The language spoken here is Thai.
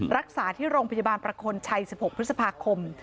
รักษาที่โรงพยาบาลประคลชัย๑๖พฤษภาคม